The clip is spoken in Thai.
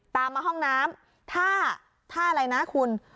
ตามมาห้องน้ำถ้าอะไรนะคุณ